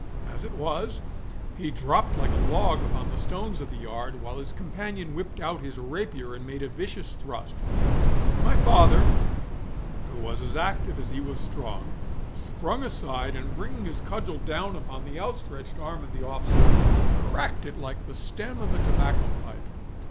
As it was, he dropped like a log upon the stones of the yard, while his companion whipped out his rapier and made a vicious thrust; but my father, who was as active as he was strong, sprung aside, and bringing his cudgel down upon the outstretched arm of the officer, cracked it like the stem of a tobacco pipe.